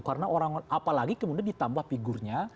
karena orang apalagi kemudian ditambah figurnya